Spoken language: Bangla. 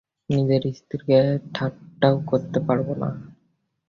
নিজের স্ত্রীকে ঠাট্টাও করতে পারব না।